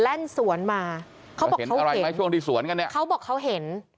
แล่นสวนมาเขาบอกเขาเห็นเขาบอกเขาเห็น